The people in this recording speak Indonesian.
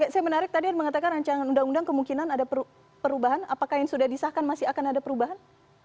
saya menarik tadi mengatakan rancangan undang undang kemungkinan ada perubahan apakah yang sudah disahkan masih akan ada perubahan